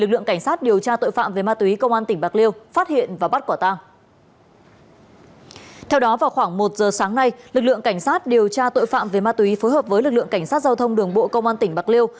lực lượng cảnh sát điều tra tội phạm về ma túy phối hợp với lực lượng cảnh sát giao thông đường bộ công an tỉnh bạc liêu